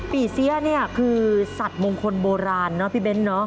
เสียเนี่ยคือสัตว์มงคลโบราณเนาะพี่เบ้นเนอะ